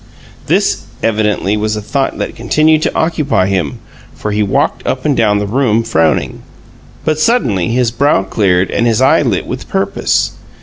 This evidently was a thought that continued to occupy him, for he walked up and down the room, frowning; but suddenly his brow cleared and his eye lit with purpose.